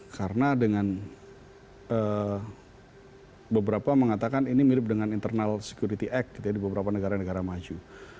karena dengan beberapa mengatakan ini mirip dengan internal security act gitu ya di beberapa negara negara maju